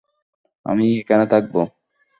আমি এখানে থাকব।